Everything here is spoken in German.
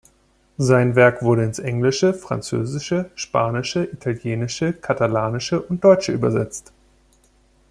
Sein Werk wurde ins Englische, Französische, Spanische, Italienische, Katalanische und Deutsche übersetzt.